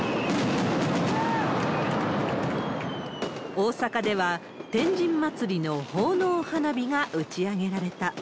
大阪では、天神祭の奉納花火が打ち上げられた。